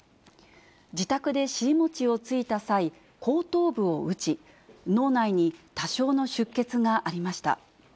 自宅で尻餅をついた際、後頭部を打ち、脳内に多少の出血がありました。